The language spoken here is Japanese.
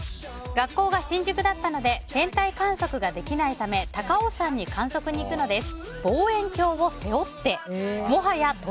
学校が新宿だったので天体観測ができないため高尾山に観測に行くのです。